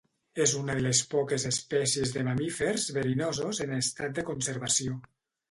És una de les poques espècies de mamífers verinosos en estat de conservació.